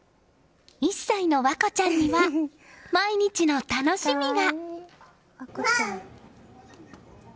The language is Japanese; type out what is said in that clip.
１歳の和瑚ちゃんには毎日の楽しみが。